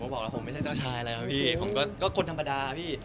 บอกแล้วผมไม่ใช่เจ้าชายแล้วพี่ผมก็คนธรรมดาพี่